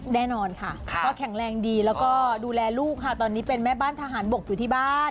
แน่นอนค่ะก็แข็งแรงดีแล้วก็ดูแลลูกค่ะตอนนี้เป็นแม่บ้านทหารบกอยู่ที่บ้าน